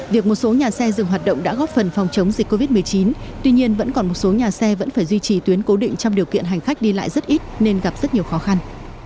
việc một số nhà xe dừng hoạt động đã góp phần phòng chống dịch covid một mươi chín tuy nhiên vẫn còn một số nhà xe vẫn phải duy trì tuyến cố định trong điều kiện hành khách đi lại rất ít nên gặp rất nhiều khó khăn